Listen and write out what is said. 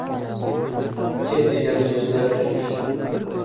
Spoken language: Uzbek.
Ket degan soʻzidan choʻchib tushdim